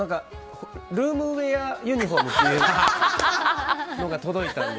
ルームウェアユニホームっていうのが届いたので。